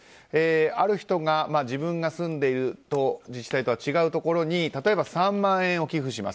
ある人が自分が住んでいる自治体とは違うところに例えば３万円を寄付します。